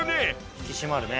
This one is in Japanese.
引き締まるね。